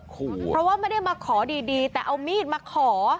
เพราะว่าไม่ได้มาขอดีแต่เอามีดมาขอ